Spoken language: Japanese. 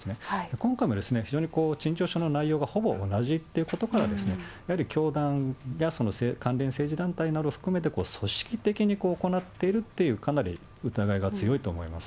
今回も非常に陳情書の内容がほぼ同じということから、やはり教団やその関連政治団体など含めて、組織的に行っているという、かなり疑いが強いと思います。